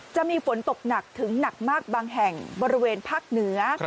จะมีฝนตกหนักถึงหนักมากบางแห่งบริเวณภาคเหนือ